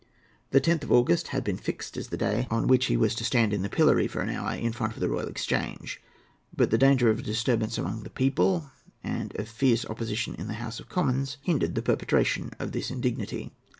The 10th of August had been fixed as the day on which he was to stand in the pillory for an hour in front of the Royal Exchange. But the danger of a disturbance among the people, and of fierce opposition in the House of Commons hindered the perpetration of this indignity.